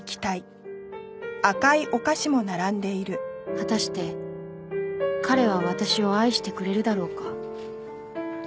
果たして彼は私を愛してくれるだろうか